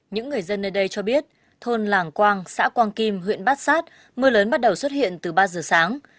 những người dân nơi đây cho biết thôn làng quang xã quang kim huyện bát sát mưa lớn bắt đầu xuất hiện từ ba giờ sáng